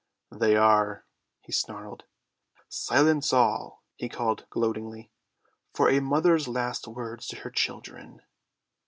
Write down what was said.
"They are," he snarled. "Silence all," he called gloatingly, "for a mother's last words to her children."